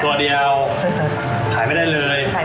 ตัวเดียวขายไม่ได้เลย